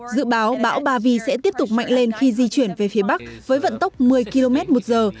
dự báo bão ba vy sẽ tiếp tục mạnh lên khi di chuyển về phía bắc với vận tốc một mươi km một giờ